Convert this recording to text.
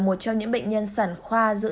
một trong những bệnh nhân sản khoa giữ